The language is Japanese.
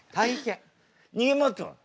逃げ回ってます！